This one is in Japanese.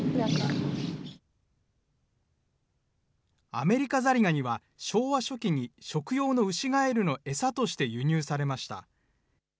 アメリカザリガニは、昭和初期に食用のウシガエルの餌として輸入されました。